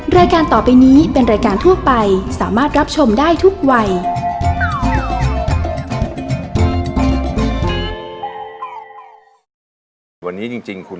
รายการต่อไปนี้เป็นรายการทั่วไปสามารถรับชมได้ทุกวัย